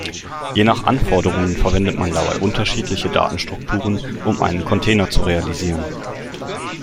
Je nach Anforderungen verwendet man dabei unterschiedliche Datenstrukturen, um einen Container zu realisieren.